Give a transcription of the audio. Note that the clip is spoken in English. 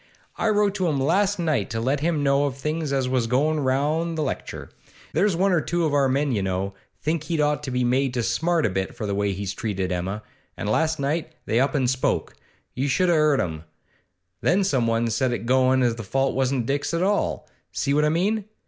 I wrote to him last night to let him know of things as was goin' round at the lecture. There's one or two of our men, you know, think he'd ought to be made to smart a bit for the way he's treated Emma, and last night they up an' spoke you should just a' 'eard them. Then someone set it goin' as the fault wasn't Dick's at all. See what I mean?